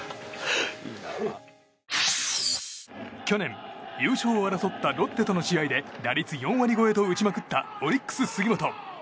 去年、優勝を争ったロッテとの試合で打率４割超えと打ちまくったオリックス、杉本。